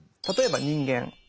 例えば人間。